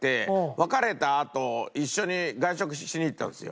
別れたあと一緒に外食しに行ったんですよ。